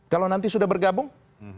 kalau nanti sudah bergabung